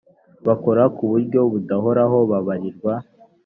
bakora ku buryo budahoraho babarirwa